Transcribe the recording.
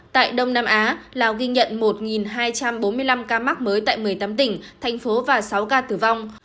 tại đông nam á lào ghi nhận một hai trăm bốn mươi năm ca mắc mới tại một mươi tám tỉnh thành phố và sáu ca tử vong